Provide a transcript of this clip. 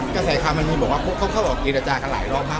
กระแสค้ามันมีบอกว่าเขาเข้าออกอีกแต่จากกันหลายรอบมาก